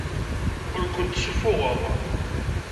Ur kent-ssuffuɣeɣ.